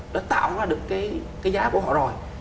đã tạo ra được cái giá của họ rồi